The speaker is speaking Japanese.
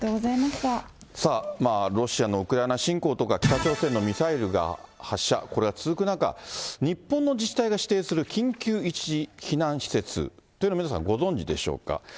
さあ、ロシアのウクライナ侵攻とか、北朝鮮のミサイルが発射、これが続く中、日本の自治体が指定する緊急一時避難施設というのは皆さんご存じでしょうか。